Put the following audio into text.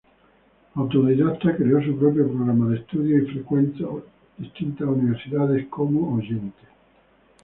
Autodidacta, creó su propio programa de estudios y frecuentó distintas universidades como oyente.